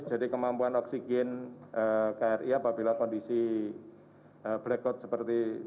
jadi kemampuan oksigen kri apabila kondisi blackout seperti ini